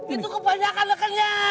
itu kebanyakan lekennya